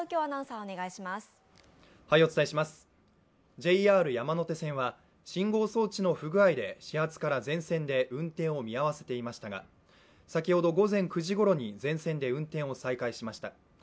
ＪＲ山手線は信号装置の不具合で始発から全線で運転を見合わせていましたが先ほど午前９時ごろに全線で運転を再開しました。